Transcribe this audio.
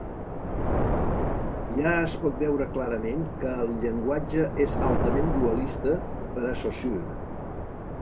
Ja es pot veure clarament que el llenguatge és altament dualista per a Saussure.